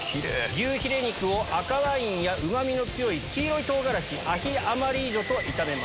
牛ヒレ肉を赤ワインやうまみの強い黄色い唐辛子アヒ・アマリージョと炒めます。